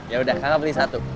ya udah kakak beli satu